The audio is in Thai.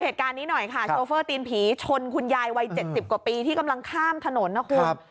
เหตุการณ์นี้หน่อยค่ะโชเฟอร์ตีนผีชนคุณยายวัย๗๐กว่าปีที่กำลังข้ามถนนนะคุณ